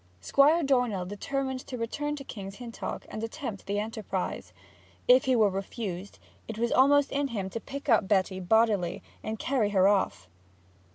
Squire Dornell determined to return to King's Hintock and attempt the enterprise. If he were refused, it was almost in him to pick up Betty bodily and carry her off.